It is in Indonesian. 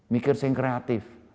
mikir saya yang kreatif